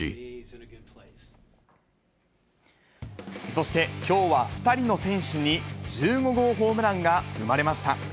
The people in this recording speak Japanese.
そして、きょうは２人の選手に１５号ホームランが生まれました。